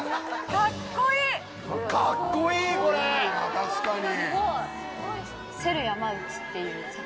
確かに！